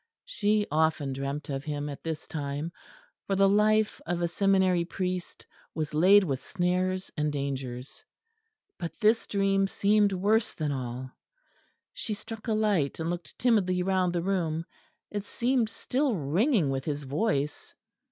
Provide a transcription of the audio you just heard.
She often dreamt of him at this time; for the life of a seminary priest was laid with snares and dangers. But this dream seemed worse than all. She struck a light, and looked timidly round the room; it seemed still ringing with his voice.